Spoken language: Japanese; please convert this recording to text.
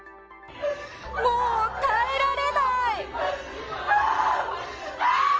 もう耐えられない！